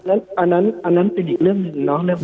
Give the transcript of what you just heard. อันนั้นอันนั้นเป็นอีกเรื่องหนึ่งเนาะเรื่องประกัน